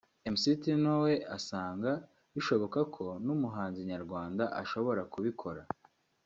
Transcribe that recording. Mc Tino we asanga bishoboka ko n’umuhanzi nyarwanda ashobora kubikora